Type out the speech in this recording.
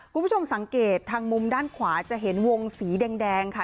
คุณผู้ชมสังเกตทางมุมด้านขวาจะเห็นวงสีแดงค่ะ